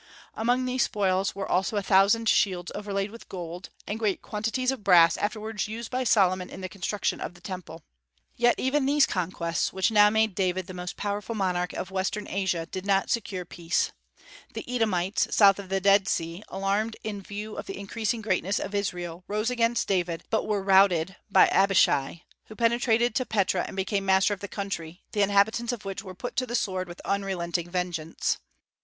Among these spoils also were a thousand shields overlaid with gold, and great quantities of brass afterward used by Solomon in the construction of the Temple. Yet even these conquests, which now made David the most powerful monarch of western Asia, did not secure peace. The Edomites, south of the Dead Sea, alarmed in view of the increasing greatness of Israel, rose against David, but were routed by Abishai, who penetrated to Petra and became master of the country, the inhabitants of which were put to the sword with unrelenting vengeance.